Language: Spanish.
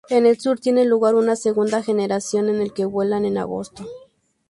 En el sur tiene lugar una segunda generación, en la que vuelan en Agosto.